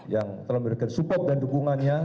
yang telah memberikan support dan dukungannya